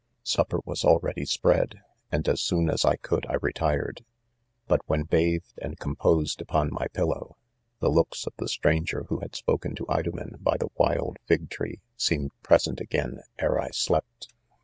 w Supper was already spread, and as soon as I could I retired. But when bathed and com posed upon my pillow, the looks of the stran ger who had spoken to Idomen by the wild fig tree, seemed present again ere I slept.